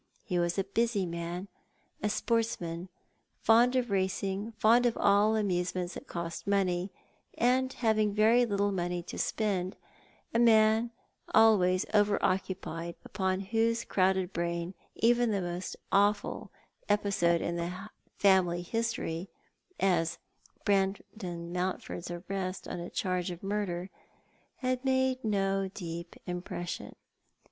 He was a busy man, a sportsman, fond of racing, fond of all amusements that cost money, and having very little money to spend, a man always over occupied, upon whose crowded brain even such an awful episode in the family history as Brandon Mountford's arrest on a charge of murder, had made no deep impression.